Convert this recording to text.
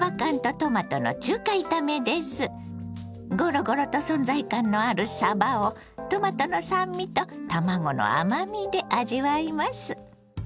ごろごろと存在感のあるさばをトマトの酸味と卵の甘みで味わいます。